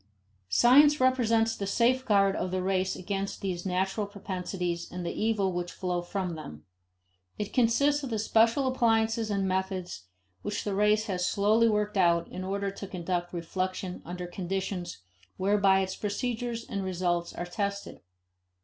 Science represents the safeguard of the race against these natural propensities and the evils which flow from them. It consists of the special appliances and methods which the race has slowly worked out in order to conduct reflection under conditions whereby its procedures and results are tested.